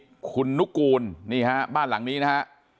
คุณนุกูลนี่ฮะบ้านหลังนี้นะฮะ